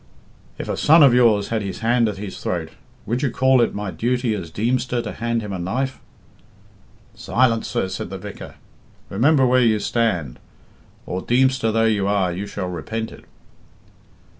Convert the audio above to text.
'If a son of yours had his hand at his throat, would you call it my duty as Deemster to hand him a knife.' 'Silence, sir,' said the vicar. Remember where you stand, or, Deemster though you are, you shall repent it.'